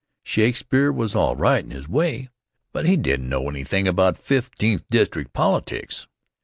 Shakespeare was all right in his way, but he didn't know anything about Fifteenth District politics.